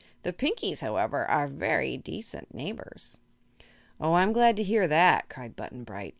The Pinkies, however, are very decent neighbors." "Oh, I'm glad to hear that!" cried Button Bright.